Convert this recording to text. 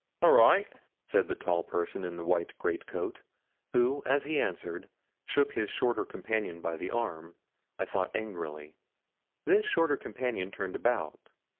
'All right,' said the tall person in the white great coat, who, as he answered, shook his shorter companion by the arm, I thought angrily. This shorter companion turned about.